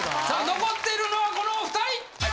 残ってるのはこのお２人。